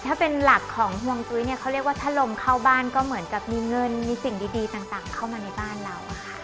ถ้าเป็นหลักของห่วงจุ้ยเนี่ยเขาเรียกว่าถ้าลมเข้าบ้านก็เหมือนกับมีเงินมีสิ่งดีต่างเข้ามาในบ้านเราอะค่ะ